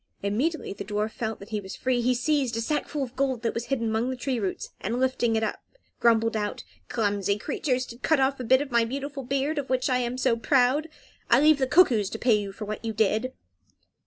Immediately the dwarf felt that he was free he seized a sackful of gold that was hidden among the tree roots, and, lifting it up, grumbled out, "Clumsy creatures, to cut off a bit of my beautiful beard, of which I am so proud! I leave the cuckoos to pay you for what you did."